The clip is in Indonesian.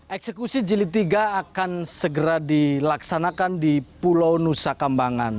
eksekusi jili tiga akan segera dilaksanakan di pulau nusa kambangan